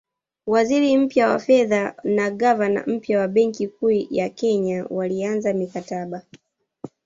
Waziri mpya wa fedha na gavana mpya wa Benki Kuu ya Kenya walianza mikakati